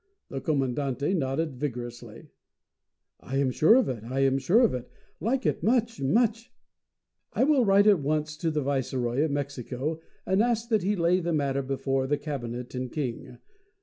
The Commandante nodded vigorously. "I am sure of it! I am sure of it! I like it much, much." "I will write at once to the Viceroy of Mexico and ask that he lay the matter before the Cabinet and King.